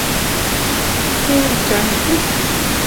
Tenniḍ akka i ḥedd?